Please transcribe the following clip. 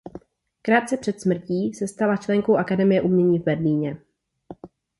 Krátce před smrtí se stala členkou Akademie umění v Berlíně.